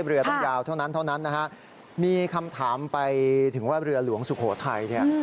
เรือต้องยาวเท่านั้นเท่านั้นนะฮะมีคำถามไปถึงว่าเรือหลวงสุโขทัยเนี่ย